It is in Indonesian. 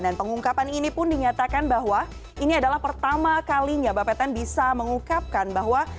dan pengungkapan ini pun dinyatakan bahwa ini adalah pertama kalinya bapten bisa mengungkapkan bahwa